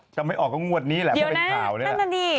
ไม่ออกก็งวดนี้แหละเพราะเป็นข่าวนี่แหละ